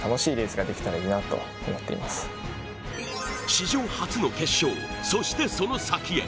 史上初の決勝そしてその先へ。